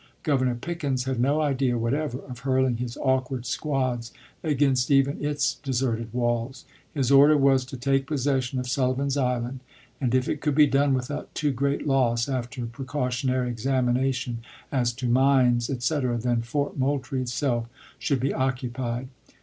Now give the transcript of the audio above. Governor Pickens had no idea whatever of hurling his awkward squads against even its deserted walls. His order was to gov. pick ° ens, Mrs take possession of Sullivan's Island, "and if it sa3gei86ia11 could be done without too great loss, after pre cautionary examination as to mines, etc., then Fort Moultrie itself should be occupied."